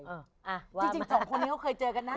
จริง๒คนเคยเจอกันนะ